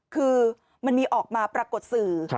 คือมันมีออกมาปรากฏสื่อ